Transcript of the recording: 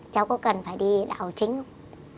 cháu có cần phải đi đạo chính không